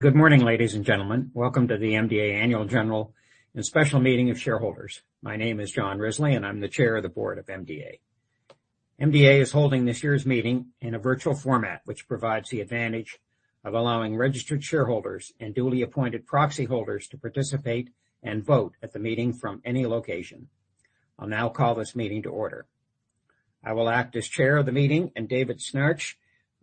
Good morning, ladies and gentlemen. Welcome to the MDA Annual General and Special Meeting of Shareholders. My name is John Risley, and I'm the Chair of the Board of MDA. MDA is holding this year's meeting in a virtual format, which provides the advantage of allowing registered shareholders and duly appointed proxy holders to participate and vote at the meeting from any location. I'll now call this meeting to order. I will act as Chair of the meeting, and David Snarch,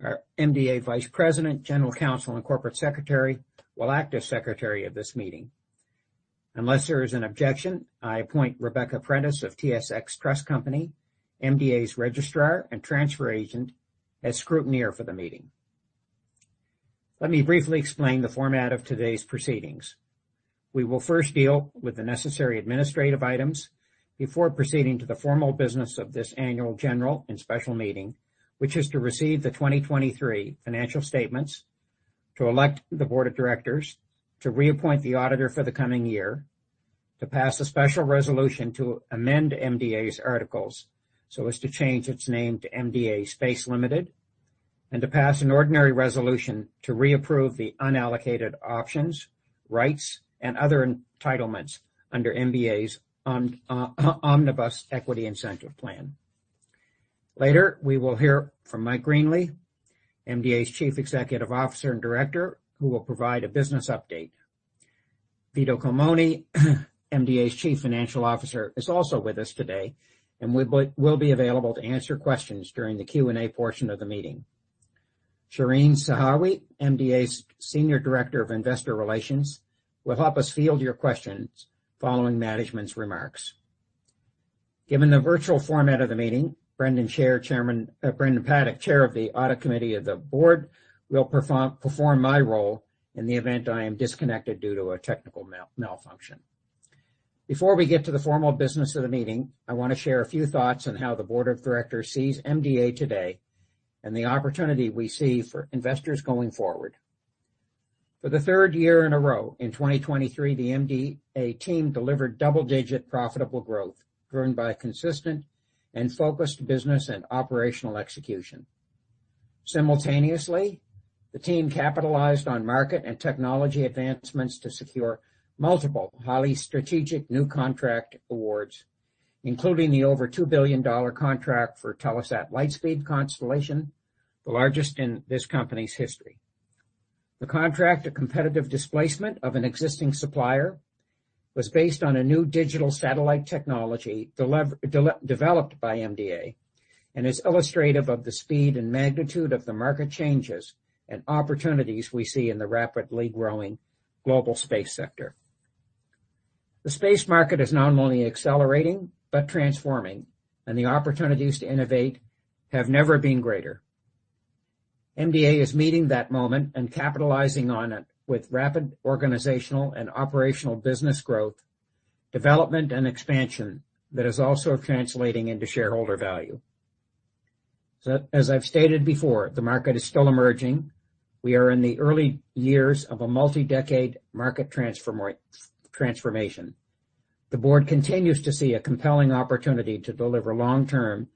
our MDA Vice President, General Counsel, and Corporate Secretary, will act as Secretary of this meeting. Unless there is an objection, I appoint Rebecca Prentice of TSX Trust Company, MDA's Registrar and Transfer Agent, as scrutineer for the meeting. Let me briefly explain the format of today's proceedings. We will first deal with the necessary administrative items before proceeding to the formal business of this Annual General and Special Meeting, which is to receive the 2023 financial statements, to elect the Board of Directors, to reappoint the Auditor for the coming year, to pass a special resolution to amend MDA's articles so as to change its name to MDA Space Limited, and to pass an ordinary resolution to reapprove the unallocated options, rights, and other entitlements under MDA's Omnibus Equity Incentive Plan. Later, we will hear from Mike Greenley, MDA's Chief Executive Officer and Director, who will provide a business update. Vito Culmone, MDA's Chief Financial Officer, is also with us today, and will be available to answer questions during the Q&A portion of the meeting. Shereen Zahawi, MDA's Senior Director of Investor Relations, will help us field your questions following Management's remarks. Given the virtual format of the meeting, Brendan Paddick, Chair of the Audit Committee of the Board, will perform my role in the event I am disconnected due to a technical malfunction. Before we get to the formal business of the meeting, I want to share a few thoughts on how the Board of Directors sees MDA today and the opportunity we see for investors going forward. For the third year in a row, in 2023, the MDA team delivered double-digit profitable growth driven by consistent and focused business and operational execution. Simultaneously, the team capitalized on market and technology advancements to secure multiple highly strategic new contract awards, including the over $2 billion contract for Telesat Lightspeed constellation, the largest in this company's history. The contract to competitive displacement of an existing supplier was based on a new digital satellite technology developed by MDA and is illustrative of the speed and magnitude of the market changes and opportunities we see in the rapidly growing global space sector. The space market is not only accelerating but transforming, and the opportunities to innovate have never been greater. MDA is meeting that moment and capitalizing on it with rapid organizational and operational business growth, development, and expansion that is also translating into shareholder value. As I've stated before, the market is still emerging. We are in the early years of a multi-decade market transformation. The Board continues to see a compelling opportunity to deliver long-term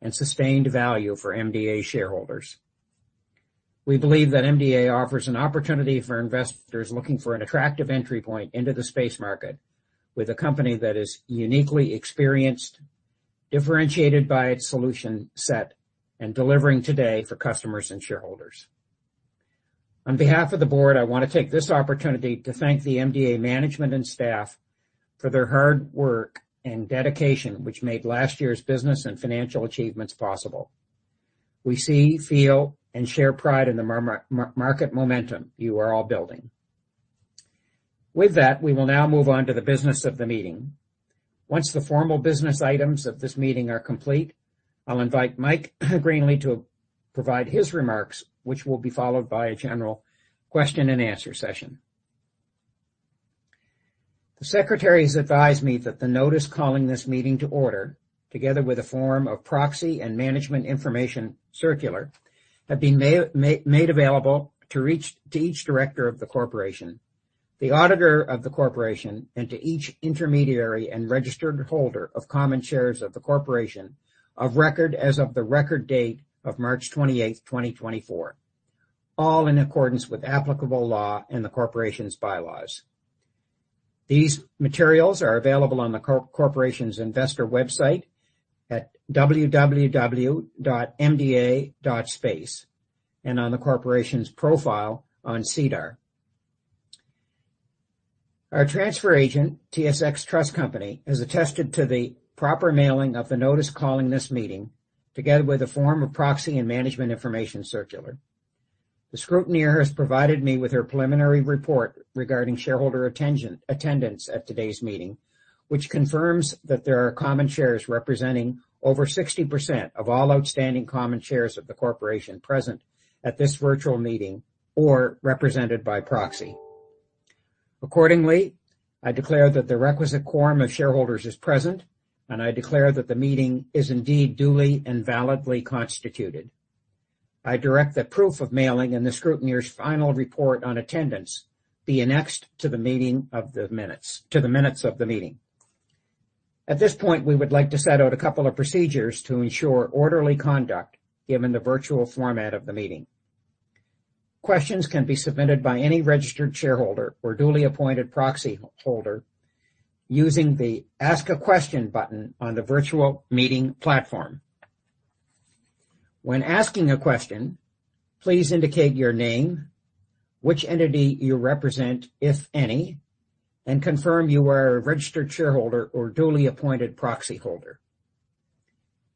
and sustained value for MDA shareholders. We believe that MDA offers an opportunity for investors looking for an attractive entry point into the space market with a company that is uniquely experienced, differentiated by its solution set, and delivering today for customers and shareholders. On behalf of the Board, I want to take this opportunity to thank the MDA management and staff for their hard work and dedication, which made last year's business and financial achievements possible. We see, feel, and share pride in the market momentum you are all building. With that, we will now move on to the business of the meeting. Once the formal business items of this meeting are complete, I'll invite Mike Greenley to provide his remarks, which will be followed by a general question-and-answer session. The Secretaries advised me that the notice calling this meeting to order, together with a Form of Proxy and Management Information Circular, had been made available to each Director of the Corporation, the Auditor of the Corporation, and to each intermediary and registered holder of common shares of the Corporation of record as of the record date of March 28, 2024, all in accordance with applicable law and the Corporation's bylaws. These materials are available on the Corporation's investor website at www.mda.space and on the Corporation's profile on SEDAR. Our Transfer Agent, TSX Trust Company, has attested to the proper mailing of the notice calling this meeting, together with a Form of Proxy and Management Information Circular. The scrutineer has provided me with her preliminary report regarding shareholder attendance at today's meeting, which confirms that there are common shares representing over 60% of all outstanding common shares of the Corporation present at this virtual meeting or represented by proxy. Accordingly, I declare that the requisite quorum of shareholders is present, and I declare that the meeting is indeed duly and validly constituted. I direct that proof of mailing and the scrutineer's final report on attendance be annexed to the minutes of the meeting. At this point, we would like to set out a couple of procedures to ensure orderly conduct given the virtual format of the meeting. Questions can be submitted by any registered shareholder or duly appointed proxy holder using the "Ask a Question" button on the virtual meeting platform. When asking a question, please indicate your name, which entity you represent, if any, and confirm you are a registered shareholder or duly appointed proxy holder.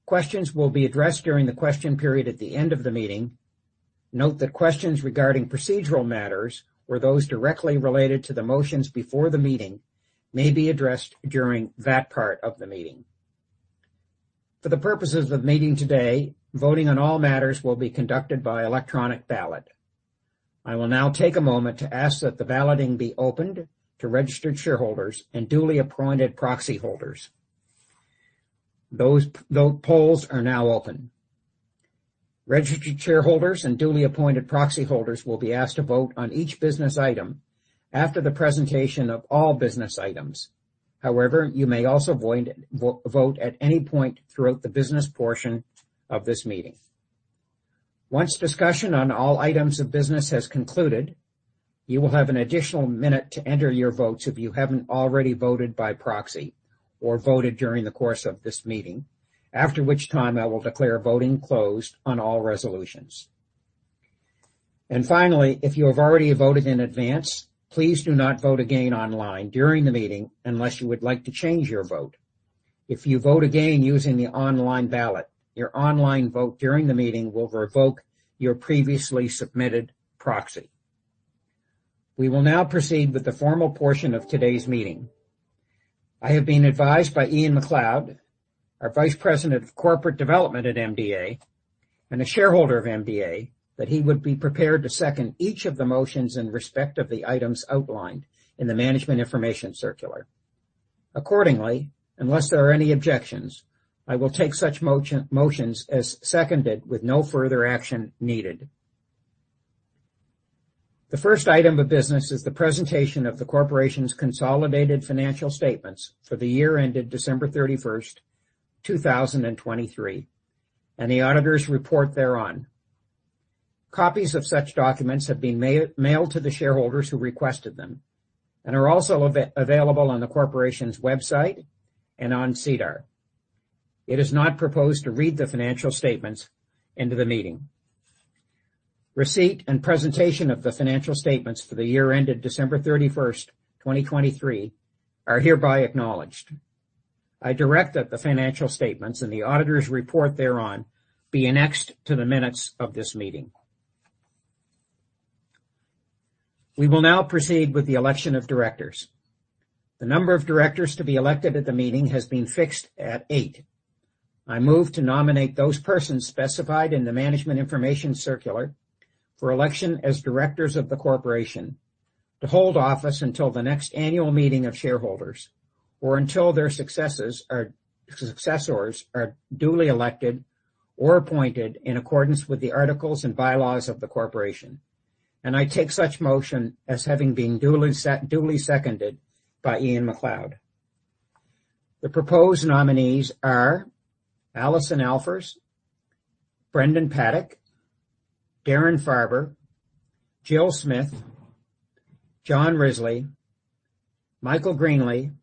Questions will be addressed during the question period at the end of the meeting. Note that questions regarding procedural matters or those directly related to the motions before the meeting may be addressed during that part of the meeting. For the purposes of the meeting today, voting on all matters will be conducted by electronic ballot. I will now take a moment to ask that the balloting be opened to registered shareholders and duly appointed proxy holders. The polls are now open. Registered shareholders and duly appointed proxy holders will be asked to vote on each business item after the presentation of all business items. However, you may also vote at any point throughout the business portion of this meeting. Once discussion on all items of business has concluded, you will have an additional minute to enter your votes if you haven't already voted by proxy or voted during the course of this meeting, after which time I will declare voting closed on all resolutions. And finally, if you have already voted in advance, please do not vote again online during the meeting unless you would like to change your vote. If you vote again using the online ballot, your online vote during the meeting will revoke your previously submitted proxy. We will now proceed with the formal portion of today's meeting. I have been advised by Ian McLeod, our Vice President of Corporate Development at MDA and a shareholder of MDA, that he would be prepared to second each of the motions in respect of the items outlined in the Management Information Circular. Accordingly, unless there are any objections, I will take such motions as seconded with no further action needed. The first item of business is the presentation of the Corporation's Consolidated Financial Statements for the year ended December 31, 2023, and the Auditor's report thereon. Copies of such documents have been mailed to the shareholders who requested them and are also available on the Corporation's website and on SEDAR. It is not proposed to read the financial statements into the meeting. Receipt and presentation of the financial statements for the year ended December 31, 2023, are hereby acknowledged. I direct that the financial statements and the Auditor's report thereon be annexed to the minutes of this meeting. We will now proceed with the election of Directors. The number of Directors to be elected at the meeting has been fixed at eight. I move to nominate those persons specified in the Management Information Circular for election as Directors of the Corporation to hold office until the next annual meeting of shareholders or until their successors are duly elected or appointed in accordance with the articles and bylaws of the Corporation, and I take such motion as having been duly seconded by Ian McLeod. The proposed nominees are Alison Alfers, Brendan Paddick, Darren Farber, Jill Smith, John Risley, Michael Greenley,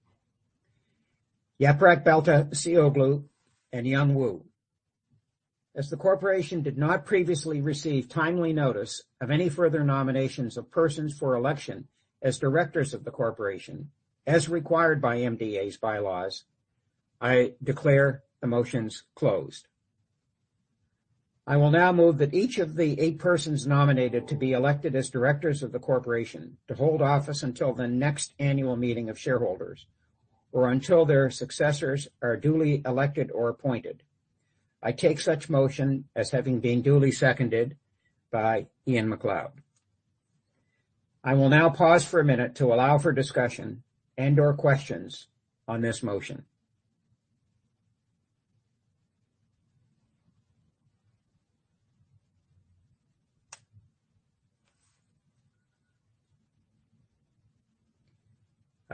Yaprak Baltacıoğlu, and Yung Wu. As the Corporation did not previously receive timely notice of any further nominations of persons for election as Directors of the Corporation as required by MDA's bylaws, I declare the motions closed. I will now move that each of the eight persons nominated to be elected as Directors of the Corporation to hold office until the next annual meeting of shareholders or until their successors are duly elected or appointed. I take such motion as having been duly seconded by Ian McLeod. I will now pause for a minute to allow for discussion and/or questions on this motion.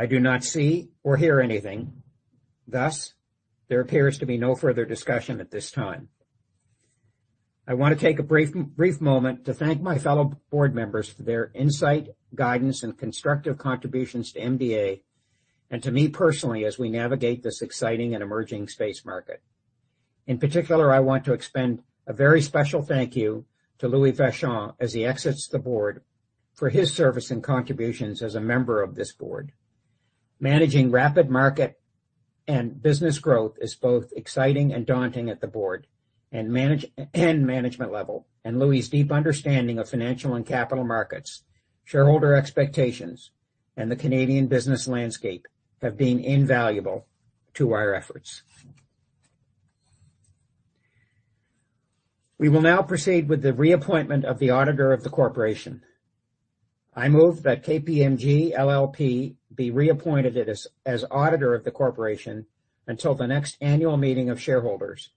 I do not see or hear anything. Thus, there appears to be no further discussion at this time. I want to take a brief moment to thank my fellow Board members for their insight, guidance, and constructive contributions to MDA and to me personally as we navigate this exciting and emerging space market. In particular, I want to extend a very special thank you to Louis Vachon as he exits the Board for his service and contributions as a member of this Board. Managing rapid market and business growth is both exciting and daunting at the Board and management level, and Louis' deep understanding of financial and capital markets, shareholder expectations, and the Canadian business landscape have been invaluable to our efforts. We will now proceed with the reappointment of the Auditor of the Corporation. I move that KPMG LLP be reappointed as Auditor of the Corporation until the next annual meeting of shareholders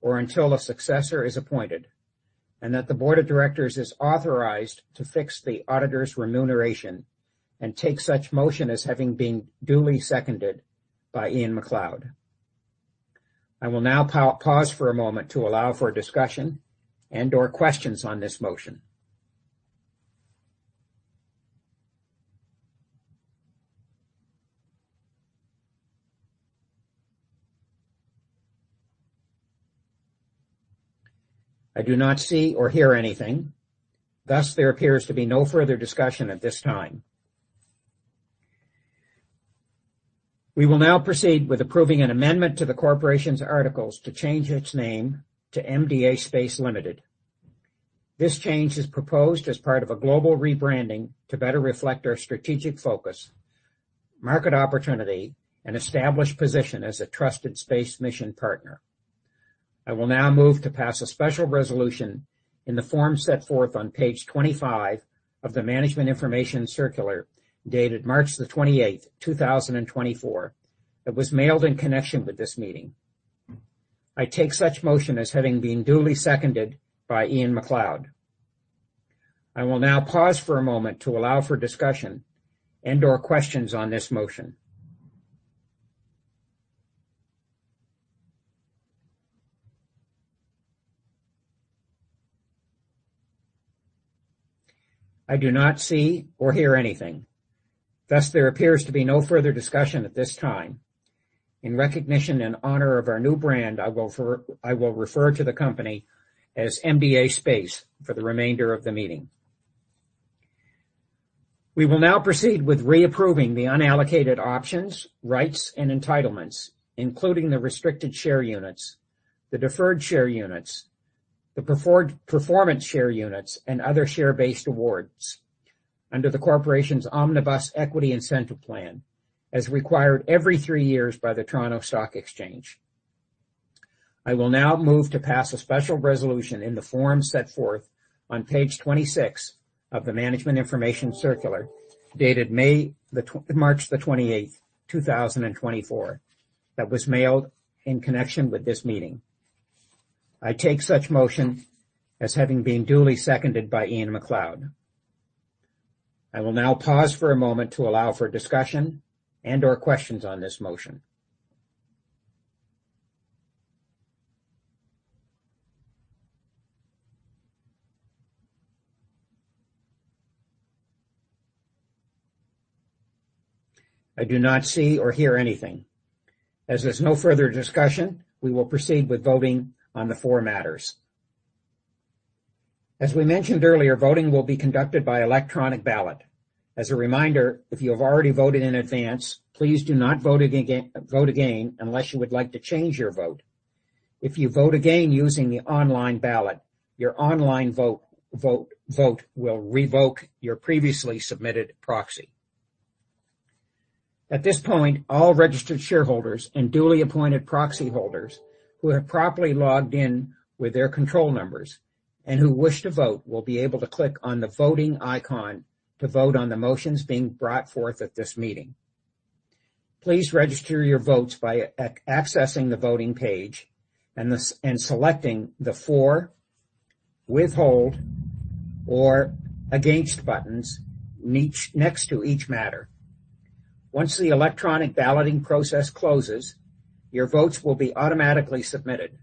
or until a successor is appointed, and that the Board of Directors is authorized to fix the Auditor's remuneration and take such motion as having been duly seconded by Ian McLeod. I will now pause for a moment to allow for discussion and/or questions on this motion. I do not see or hear anything. Thus, there appears to be no further discussion at this time. We will now proceed with approving an amendment to the Corporation's articles to change its name to MDA Space Limited. This change is proposed as part of a global rebranding to better reflect our strategic focus, market opportunity, and established position as a trusted space mission partner. I will now move to pass a special resolution in the form set forth on page 25 of the Management Information Circular dated March 28, 2024 that was mailed in connection with this meeting. I take such motion as having been duly seconded by Ian McLeod. I will now pause for a moment to allow for discussion and/or questions on this motion. I do not see or hear anything. Thus, there appears to be no further discussion at this time. In recognition and honor of our new brand, I will refer to the company as MDA Space for the remainder of the meeting. We will now proceed with reapproving the unallocated options, rights, and entitlements, including the restricted share units, the deferred share units, the performance share units, and other share-based awards under the Corporation's Omnibus Equity Incentive Plan as required every three years by the Toronto Stock Exchange. I will now move to pass a special resolution in the form set forth on page 26 of the Management Information Circular dated March 28, 2024 that was mailed in connection with this meeting. I take such motion as having been duly seconded by Ian McLeod. I will now pause for a moment to allow for discussion and/or questions on this motion. I do not see or hear anything. As there's no further discussion, we will proceed with voting on the four matters. As we mentioned earlier, voting will be conducted by electronic ballot. As a reminder, if you have already voted in advance, please do not vote again unless you would like to change your vote. If you vote again using the online ballot, your online vote will revoke your previously submitted proxy. At this point, all registered shareholders and duly appointed proxy holders who have properly logged in with their control numbers and who wish to vote will be able to click on the voting icon to vote on the motions being brought forth at this meeting. Please register your votes by accessing the voting page and selecting the "For," "Withhold," or "Against" buttons next to each matter. Once the electronic balloting process closes, your votes will be automatically submitted.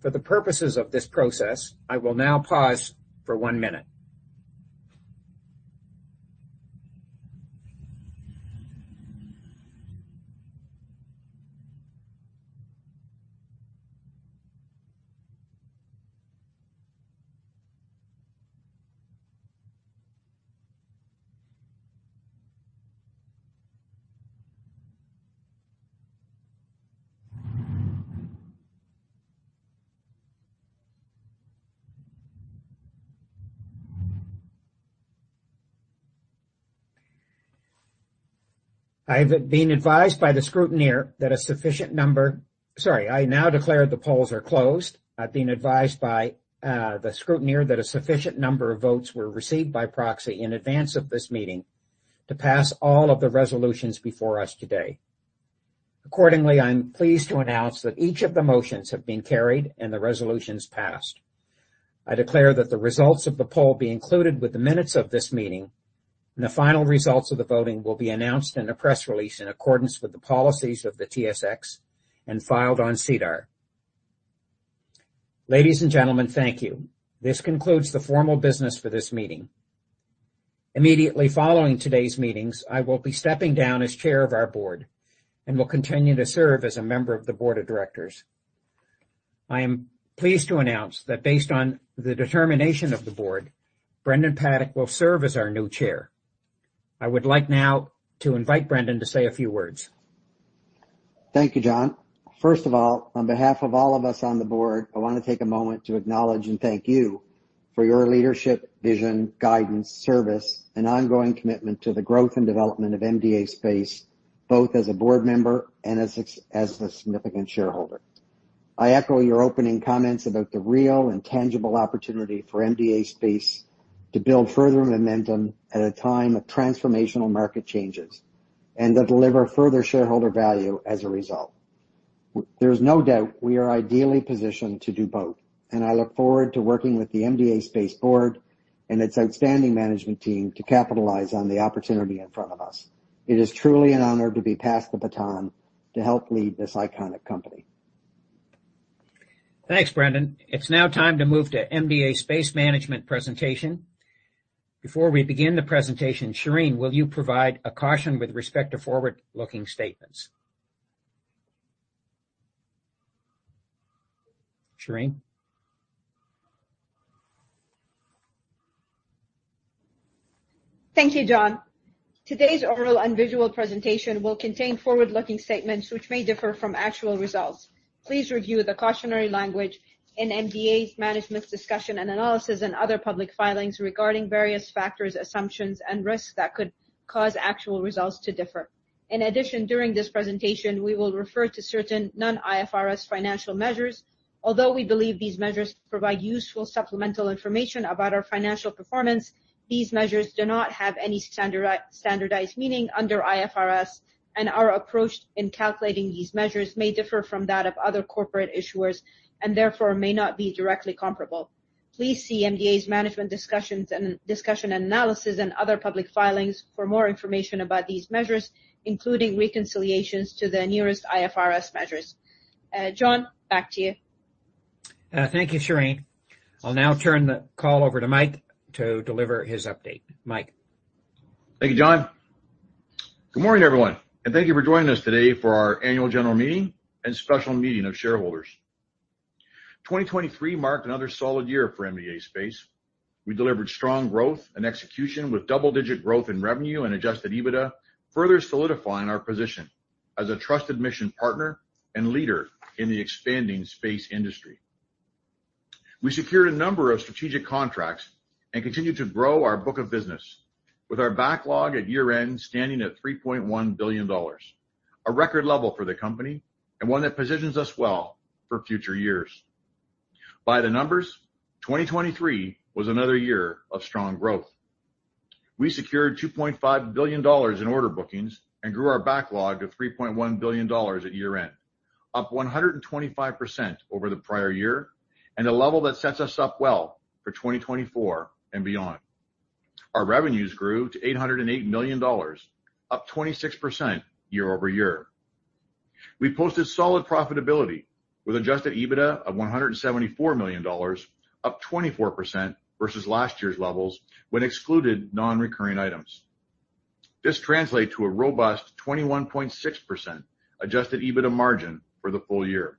For the purposes of this process, I will now pause for one minute. I have been advised by the scrutineer. I now declare the polls are closed. I've been advised by the scrutineer that a sufficient number of votes were received by proxy in advance of this meeting to pass all of the resolutions before us today. Accordingly, I'm pleased to announce that each of the motions have been carried and the resolutions passed. I declare that the results of the poll be included with the minutes of this meeting, and the final results of the voting will be announced in a press release in accordance with the policies of the TSX and filed on SEDAR+. Ladies and gentlemen, thank you. This concludes the formal business for this meeting. Immediately following today's meetings, I will be stepping down as Chair of our Board and will continue to serve as a member of the Board of Directors. I am pleased to announce that based on the determination of the Board, Brendan Paddick will serve as our new Chair. I would like now to invite Brendan to say a few words. Thank you, John. First of all, on behalf of all of us on the Board, I want to take a moment to acknowledge and thank you for your leadership, vision, guidance, service, and ongoing commitment to the growth and development of MDA Space both as a Board member and as a significant shareholder. I echo your opening comments about the real and tangible opportunity for MDA Space to build further momentum at a time of transformational market changes and to deliver further shareholder value as a result. There's no doubt we are ideally positioned to do both, and I look forward to working with the MDA Space Board and its outstanding management team to capitalize on the opportunity in front of us. It is truly an honor to be passed the baton to help lead this iconic company. Thanks, Brendan. It's now time to move to MDA Space Management presentation. Before we begin the presentation, Shereen, will you provide a caution with respect to forward-looking statements? Shereen? Thank you, John. Today's oral and visual presentation will contain forward-looking statements which may differ from actual results. Please review the cautionary language in MDA's management's discussion and analysis and other public filings regarding various factors, assumptions, and risks that could cause actual results to differ. In addition, during this presentation, we will refer to certain non-IFRS financial measures. Although we believe these measures provide useful supplemental information about our financial performance, these measures do not have any standardized meaning under IFRS, and our approach in calculating these measures may differ from that of other corporate issuers and therefore may not be directly comparable. Please see MDA's management discussion and analysis and other public filings for more information about these measures, including reconciliations to the nearest IFRS measures. John, back to you. Thank you, Shereen. I'll now turn the call over to Mike to deliver his update. Mike. Thank you, John. Good morning, everyone, and thank you for joining us today for our annual general meeting and special meeting of shareholders. 2023 marked another solid year for MDA Space. We delivered strong growth and execution with double-digit growth in revenue and adjusted EBITDA, further solidifying our position as a trusted mission partner and leader in the expanding space industry. We secured a number of strategic contracts and continue to grow our book of business, with our backlog at year-end standing at 3.1 billion dollars, a record level for the company and one that positions us well for future years. By the numbers, 2023 was another year of strong growth. We secured 2.5 billion dollars in order bookings and grew our backlog to 3.1 billion dollars at year-end, up 125% over the prior year and a level that sets us up well for 2024 and beyond. Our revenues grew to 808 million dollars, up 26% year-over-year. We posted solid profitability with adjusted EBITDA of 174 million dollars, up 24% versus last year's levels when excluded non-recurring items. This translates to a robust 21.6% adjusted EBITDA margin for the full year.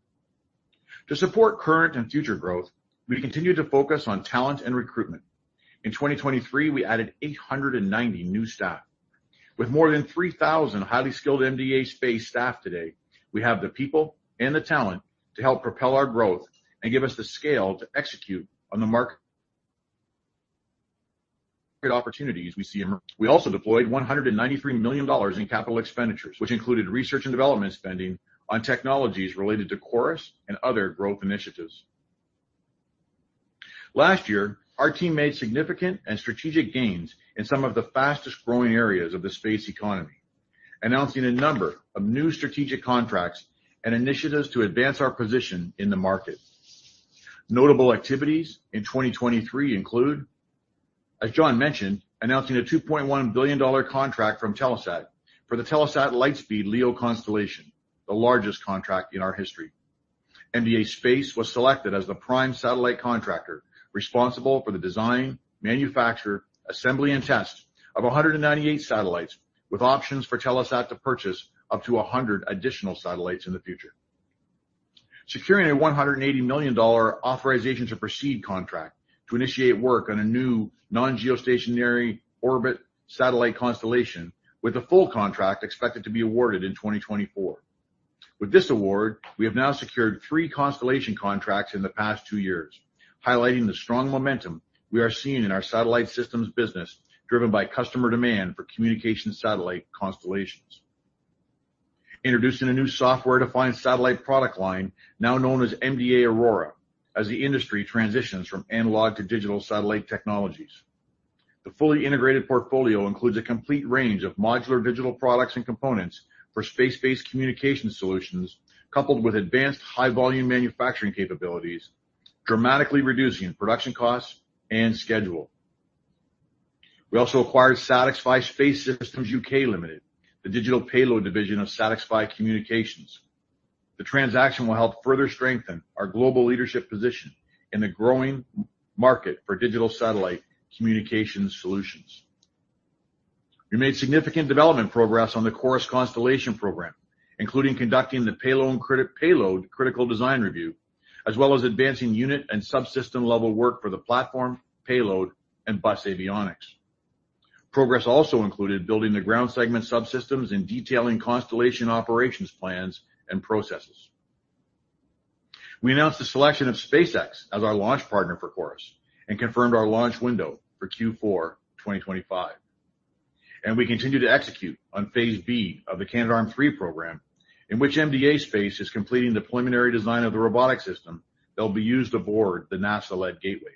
To support current and future growth, we continue to focus on talent and recruitment. In 2023, we added 890 new staff. With more than 3,000 highly skilled MDA Space staff today, we have the people and the talent to help propel our growth and give us the scale to execute on the market opportunities we see in. We also deployed 193 million dollars in capital expenditures, which included research and development spending on technologies related to CHORUS and other growth initiatives. Last year, our team made significant and strategic gains in some of the fastest-growing areas of the space economy, announcing a number of new strategic contracts and initiatives to advance our position in the market. Notable activities in 2023 include, as John mentioned, announcing a 2.1 billion dollar contract from Telesat for the Telesat Lightspeed LEO constellation, the largest contract in our history. MDA Space was selected as the prime satellite contractor responsible for the design, manufacture, assembly, and test of 198 satellites, with options for Telesat to purchase up to 100 additional satellites in the future. Securing a 180 million dollar authorization to proceed contract to initiate work on a new non-geostationary orbit satellite constellation, with the full contract expected to be awarded in 2024. With this award, we have now secured three constellation contracts in the past two years, highlighting the strong momentum we are seeing in our satellite systems business driven by customer demand for communication satellite constellations. Introducing a new software-defined satellite product line now known as MDA Aurora as the industry transitions from analog to digital satellite technologies. The fully integrated portfolio includes a complete range of modular digital products and components for space-based communication solutions, coupled with advanced high-volume manufacturing capabilities, dramatically reducing production costs and schedule. We also acquired SatixFy Space Systems UK Ltd., the digital payload division of SatixFy Communications. The transaction will help further strengthen our global leadership position in the growing market for digital satellite communication solutions. We made significant development progress on the CHORUS constellation program, including conducting the payload critical design review, as well as advancing unit and subsystem-level work for the platform, payload, and bus avionics. Progress also included building the ground segment subsystems and detailing constellation operations plans and processes. We announced the selection of SpaceX as our launch partner for CHORUS and confirmed our launch window for Q4 2025. We continue to execute on phase B of the Canadarm3 program, in which MDA Space is completing the preliminary design of the robotic system that will be used aboard the NASA-led Gateway.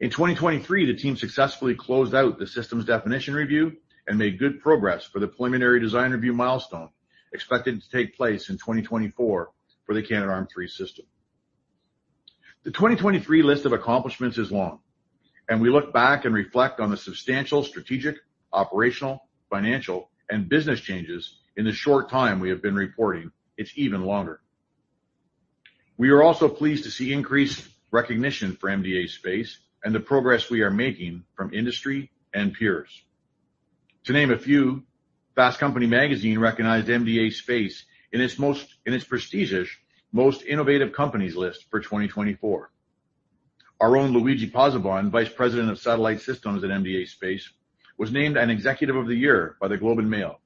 In 2023, the team successfully closed out the systems definition review and made good progress for the preliminary design review milestone expected to take place in 2024 for the Canadarm3 system. The 2023 list of accomplishments is long, and we look back and reflect on the substantial strategic, operational, financial, and business changes in the short time we have been reporting. It's even longer. We are also pleased to see increased recognition for MDA Space and the progress we are making from industry and peers. To name a few, Fast Company magazine recognized MDA Space in its prestigious Most Innovative Companies list for 2024. Our own Luigi Pozzebon, Vice President of Satellite Systems at MDA Space, was named an Executive of the Year by the Globe and Mail,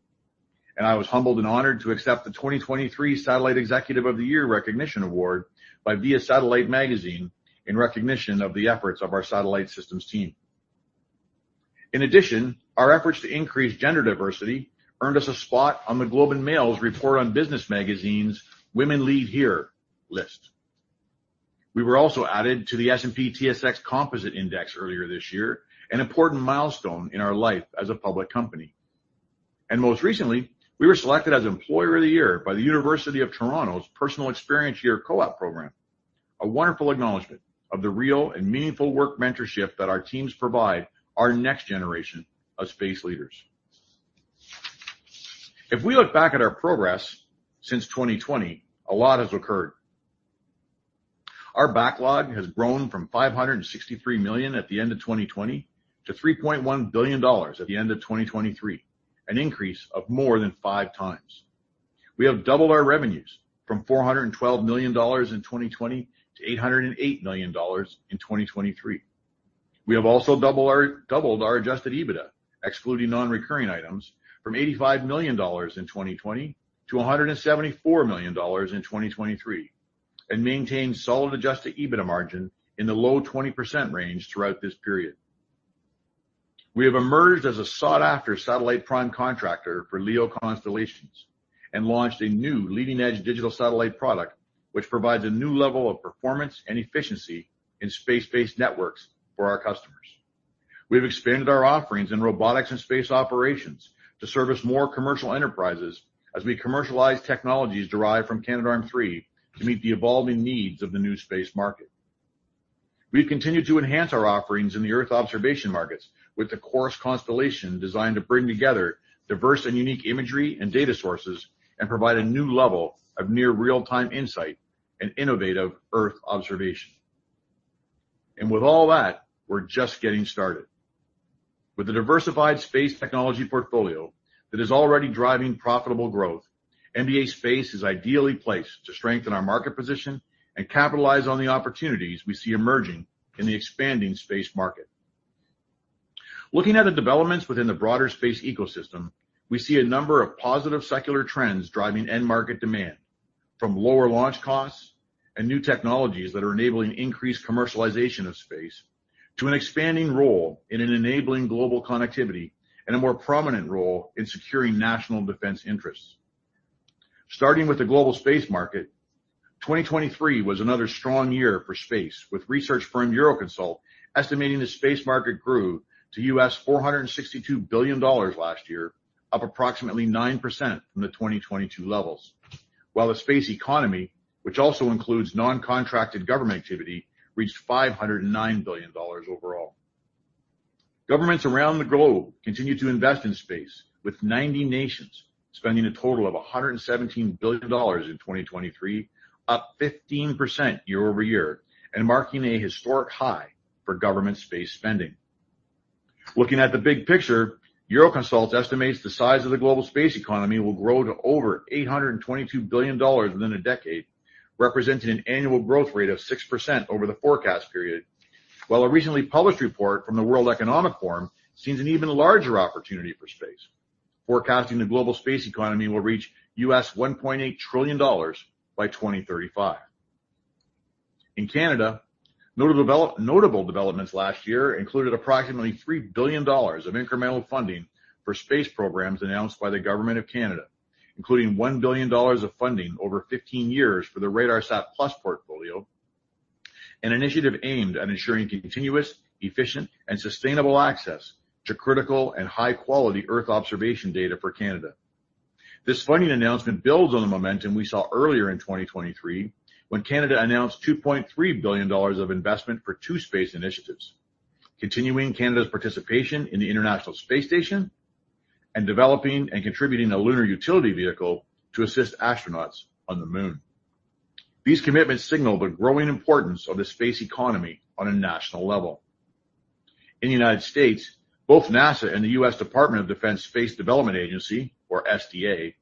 and I was humbled and honored to accept the 2023 Satellite Executive of the Year recognition award by Via Satellite magazine in recognition of the efforts of our satellite systems team. In addition, our efforts to increase gender diversity earned us a spot on The Globe and Mail's Report on Business magazine's Women Lead Here list. We were also added to the S&P/TSX Composite Index earlier this year, an important milestone in our life as a public company. Most recently, we were selected as Employer of the Year by the University of Toronto's Professional Experience Year Co-op program, a wonderful acknowledgment of the real and meaningful work mentorship that our teams provide our next generation of space leaders. If we look back at our progress since 2020, a lot has occurred. Our backlog has grown from 563 million at the end of 2020 to 3.1 billion dollars at the end of 2023, an increase of more than 5x. We have doubled our revenues from 412 million dollars in 2020 to 808 million dollars in 2023. We have also doubled our adjusted EBITDA, excluding non-recurring items, from 85 million dollars in 2020 to 174 million dollars in 2023, and maintained solid adjusted EBITDA margin in the low 20% range throughout this period. We have emerged as a sought-after satellite prime contractor for LEO constellations and launched a new leading-edge digital satellite product, which provides a new level of performance and efficiency in space-based networks for our customers. We have expanded our offerings in robotics and space operations to service more commercial enterprises as we commercialize technologies derived from Canadarm3 to meet the evolving needs of the new space market. We've continued to enhance our offerings in the Earth observation markets with the CHORUS constellation, designed to bring together diverse and unique imagery and data sources and provide a new level of near-real-time insight and innovative Earth observation. With all that, we're just getting started. With a diversified space technology portfolio that is already driving profitable growth, MDA Space is ideally placed to strengthen our market position and capitalize on the opportunities we see emerging in the expanding space market. Looking at the developments within the broader space ecosystem, we see a number of positive secular trends driving end-market demand, from lower launch costs and new technologies that are enabling increased commercialization of space to an expanding role in enabling global connectivity and a more prominent role in securing national defense interests. Starting with the global space market, 2023 was another strong year for space, with research firm Euroconsult estimating the space market grew to $462 billion last year, up approximately 9% from the 2022 levels, while the space economy, which also includes non-contracted government activity, reached $509 billion overall. Governments around the globe continue to invest in space, with 90 nations spending a total of $117 billion in 2023, up 15% year-over-year and marking a historic high for government space spending. Looking at the big picture, Euroconsult estimates the size of the global space economy will grow to over $822 billion within a decade, representing an annual growth rate of 6% over the forecast period, while a recently published report from the World Economic Forum sees an even larger opportunity for space, forecasting the global space economy will reach $1.8 trillion by 2035. In Canada, notable developments last year included approximately 3 billion dollars of incremental funding for space programs announced by the Government of Canada, including 1 billion dollars of funding over 15 years for the RADARSAT+ portfolio, an initiative aimed at ensuring continuous, efficient, and sustainable access to critical and high-quality Earth observation data for Canada. This funding announcement builds on the momentum we saw earlier in 2023 when Canada announced 2.3 billion dollars of investment for two space initiatives: continuing Canada's participation in the International Space Station and developing and contributing a Lunar Utility Vehicle to assist astronauts on the Moon. These commitments signal the growing importance of the space economy on a national level. In the United States, both NASA and the US Department of Defense Space Development Agency, or SDA,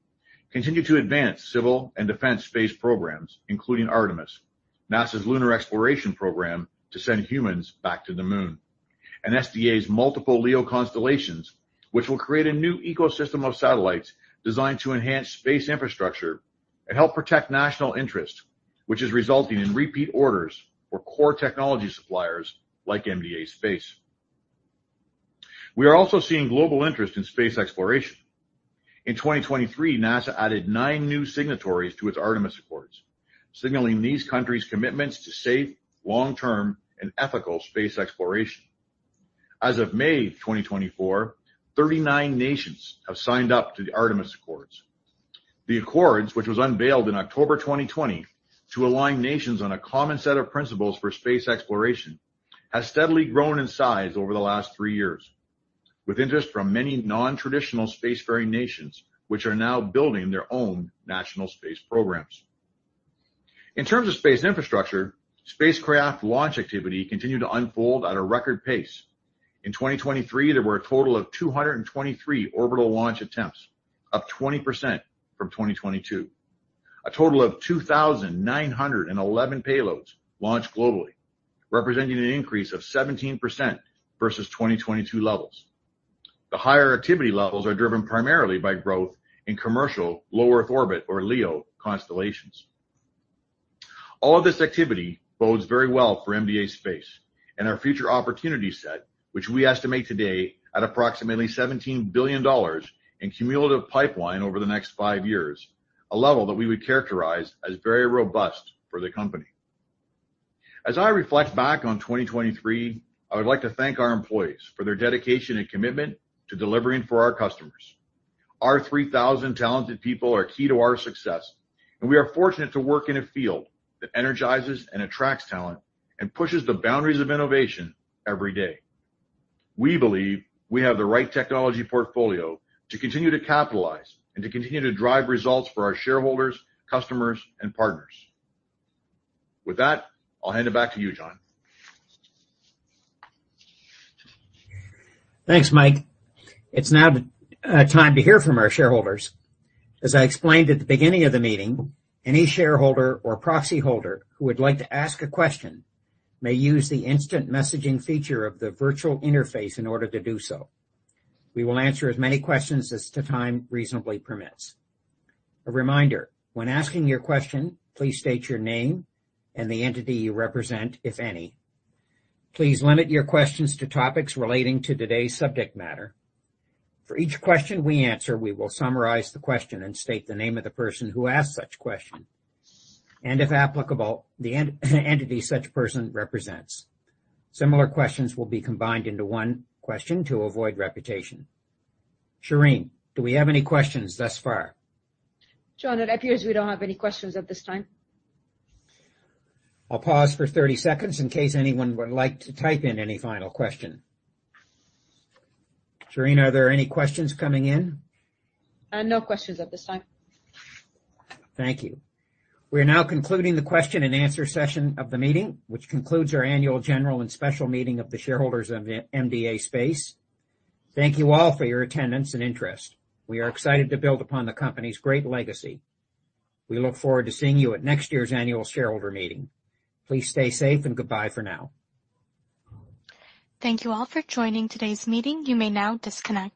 continue to advance civil and defense space programs, including Artemis, NASA's lunar exploration program to send humans back to the Moon, and SDA's multiple LEO constellations, which will create a new ecosystem of satellites designed to enhance space infrastructure and help protect national interest, which is resulting in repeat orders for core technology suppliers like MDA Space. We are also seeing global interest in space exploration. In 2023, NASA added nine new signatories to its Artemis Accords, signaling these countries' commitments to safe, long-term, and ethical space exploration. As of May 2024, 39 nations have signed up to the Artemis Accords. The accords, which was unveiled in October 2020 to align nations on a common set of principles for space exploration, have steadily grown in size over the last three years, with interest from many non-traditional spacefaring nations, which are now building their own national space programs. In terms of space infrastructure, spacecraft launch activity continued to unfold at a record pace. In 2023, there were a total of 223 orbital launch attempts, up 20% from 2022. A total of 2,911 payloads launched globally, representing an increase of 17% versus 2022 levels. The higher activity levels are driven primarily by growth in commercial low-Earth orbit, or LEO, constellations. All of this activity bodes very well for MDA Space and our future opportunity set, which we estimate today at approximately $17 billion in cumulative pipeline over the next five years, a level that we would characterize as very robust for the company. As I reflect back on 2023, I would like to thank our employees for their dedication and commitment to delivering for our customers. Our 3,000 talented people are key to our success, and we are fortunate to work in a field that energizes and attracts talent and pushes the boundaries of innovation every day. We believe we have the right technology portfolio to continue to capitalize and to continue to drive results for our shareholders, customers, and partners. With that, I'll hand it back to you, John. Thanks, Mike. It's now time to hear from our shareholders. As I explained at the beginning of the meeting, any shareholder or proxy holder who would like to ask a question may use the instant messaging feature of the virtual interface in order to do so. We will answer as many questions as time reasonably permits. A reminder: when asking your question, please state your name and the entity you represent, if any. Please limit your questions to topics relating to today's subject matter. For each question we answer, we will summarize the question and state the name of the person who asked such question, and if applicable, the entity such person represents. Similar questions will be combined into one question to avoid repetition. Shereen, do we have any questions thus far? John, it appears we don't have any questions at this time. I'll pause for 30 seconds in case anyone would like to type in any final questions. Shereen, are there any questions coming in? No questions at this time. Thank you. We are now concluding the question and answer session of the meeting, which concludes our annual general and special meeting of the shareholders of MDA Space. Thank you all for your attendance and interest. We are excited to build upon the company's great legacy. We look forward to seeing you at next year's annual shareholder meeting. Please stay safe, and goodbye for now. Thank you all for joining today's meeting. You may now disconnect.